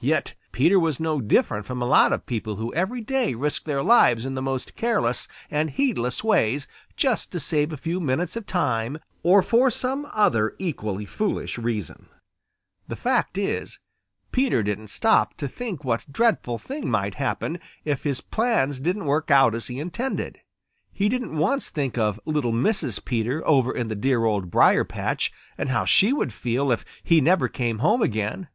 Yet Peter was no different from a lot of people who every day risk their lives in the most careless and heedless ways just to save a few minutes of time or for some other equally foolish reason. The fact is, Peter didn't stop to think what dreadful thing might happen if his plans didn't work out as he intended. He didn't once think of little Mrs. Peter over in the dear Old Briar patch and how she would feel if he never came home again.